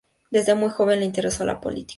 Desde muy joven le interesó la política.